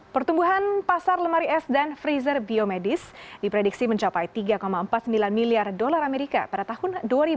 pertumbuhan pasar lemari es dan freezer biomedis diprediksi mencapai tiga empat puluh sembilan miliar dolar amerika pada tahun dua ribu dua puluh